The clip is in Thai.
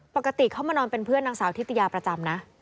ปกติเขามานอนเป็นเพื่อนนางสาวทิตยาประจำนะ